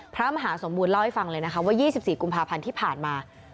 พระมหาสมบูรณเล่าให้ฟังเลยนะคะว่า๒๔กุมภาพันธ์ที่ผ่านมา